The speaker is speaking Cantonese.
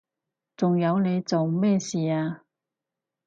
仲有你做咩事啊？